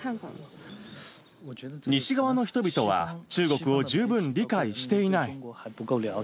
西側の人々は、中国を十分理解していない。